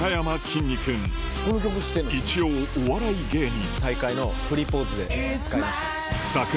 一応お笑い芸人